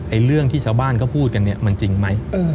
เรื่องที่ชาวบ้านเขาพูดกันเนี่ยมันจริงไหม